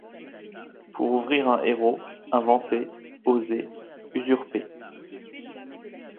Pour ouvrir un héros : inventez, osez usurper !